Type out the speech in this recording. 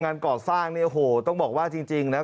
งานก่อสร้างเนี่ยโอ้โหต้องบอกว่าจริงนะ